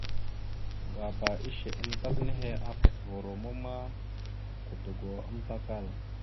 Ŋgaba ishe amətak nehe, apasəva romma ma, godogo amatəkal.